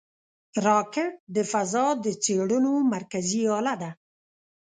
راکټ د فضا د څېړنو مرکزي اله ده